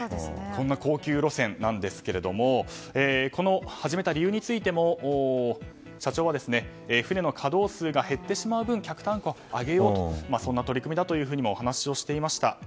そんな高級路線ですが始めた理由についても社長は船の稼働数が減ってしまう分客単価を上げようとそんな取り組みだというふうにも話をしていました。